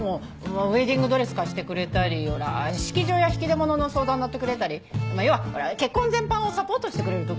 ウェディングドレス貸してくれたり式場や引き出物の相談のってくれたりまあ要は結婚全般をサポートしてくれるとこよ。